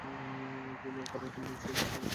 গ্রীনএকারে তুমি নিশ্চই বিশ্রামের সুযোগ পাবে।